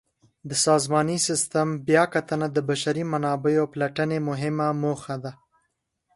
د سازماني سیسټم بیاکتنه د بشري منابعو پلټنې مهمه موخه ده.